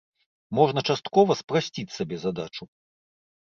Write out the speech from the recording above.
Можна часткова спрасціць сабе задачу.